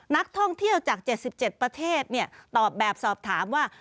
นักท่องเที่ยวจาก๗๗ประเทศตอบแบบสอบถามว่า